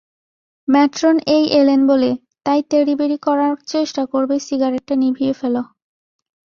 Matron এই এলেন বলে, তাই তেড়িবেড়ি করার চেষ্টা করবে সিগারেটটা নিভিয়ে ফেলো!